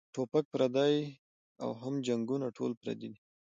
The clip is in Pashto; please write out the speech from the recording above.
ټوپک پردے پردے او هم جنګــــونه ټول پردي دي